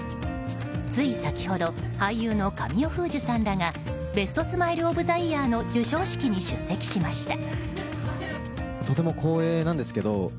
つい先ほど俳優の神尾楓珠さんらがベストスマイルオブザイヤーの授賞式に出席しました。